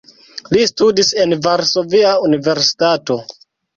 Li studis en Varsovia Universitato.